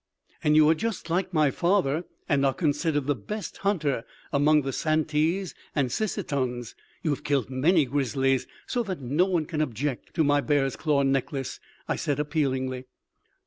"And you are just like my father and are considered the best hunter among the Santees and Sissetons. You have killed many grizzlies, so that no one can object to my bear's claw necklace," I said appealingly.